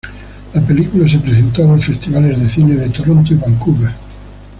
La película se presentó a los festivales de cine de Toronto y Vancouver.